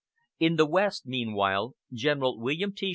In the West, meanwhile, General William T.